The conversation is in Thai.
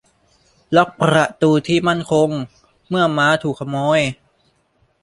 ล็อคประตูที่มั่นคงเมื่อม้าถูกขโมย